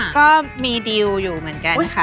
ก็มีดีลอยู่เหมือนกันค่ะ